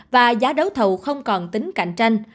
và giá đấu thầu không còn tính cạnh tranh